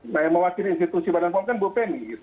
nah yang mewakili institusi badan pom kan bupeni